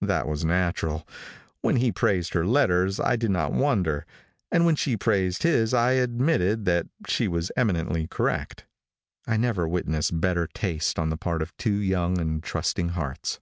That was natural. When he praised her letters I did not wonder, and when she praised his I admitted that she was eminently correct. I never witnessed better taste on the part of two young and trusting hearts.